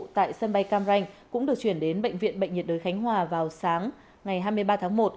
tại sân bay cam ranh cũng được chuyển đến bệnh viện bệnh nhiệt đới khánh hòa vào sáng ngày hai mươi ba tháng một